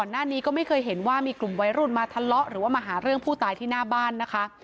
หรือว่ามาหาเรื่องผู้ตายที่หน้าบ้านนะคะ